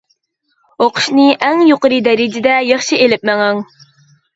ئوقۇشنى ئەڭ يۇقىرى دەرىجىدە ياخشى ئېلىپ مېڭىڭ.